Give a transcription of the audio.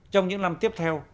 trong những năm tiếp theo